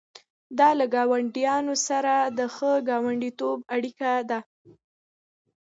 دا له ګاونډیانو سره د ښه ګاونډیتوب اړیکه ده.